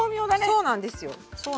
そうなんですよ。